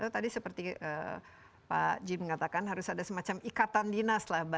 tadi seperti pak jim mengatakan harus ada semacam ikatan dinas lah bagi kita ya pak